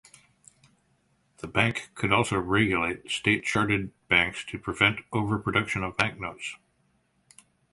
The bank could also regulate state-charted banks to prevent overproduction of banknotes.